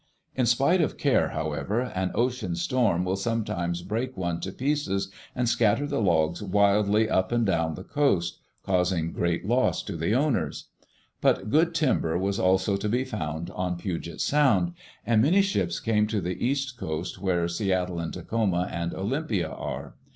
In spite of care, however, an ocean storm will sometimes break one to pieces and scatter the logs wildly up and down the coast, causing great loss to the owners. Digitized by VjOOQ IC EARLY DAYS IN OLD OREGON But good timber was also to be found on Puget Sound, and many ships came to the east coast where Seattle and Tacoma and Olympia are.